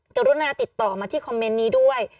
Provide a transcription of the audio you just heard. กรุณาติดต่อมาที่คอมเมนต์นี้ด้วย